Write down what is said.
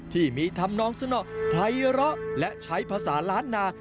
ที่มีธรรมนองสนอภัยเลาะและใช้ภาษาล้านนา